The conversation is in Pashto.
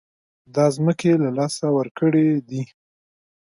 دا ځمکې له لاسه ورکړې دي.